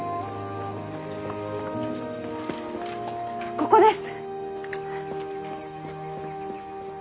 ここです。